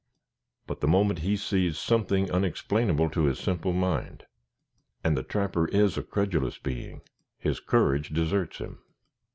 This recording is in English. But the moment he sees something unexplainable to his simple mind, (and the trapper is a credulous being), his courage deserts him.